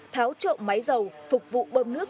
tháo trộm máy dầu phục vụ bơm nước